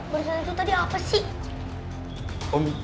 barusan itu tadi apa sih